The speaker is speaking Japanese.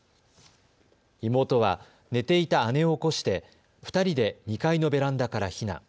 妹は寝ていた姉を起こして２人で２階のベランダから避難。